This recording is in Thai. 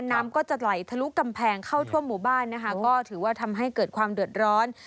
น้ำก็จะไหลทะลุกำแพงเข้าทั่วหมู่บ้านนะคะก็ถือว่าทำให้เกิดความเดือดร้อน